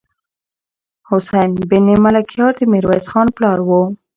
حسين بن ملکيار د ميرويس خان پلار و.